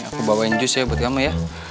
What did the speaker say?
aku bawain jus ya buat kamu ya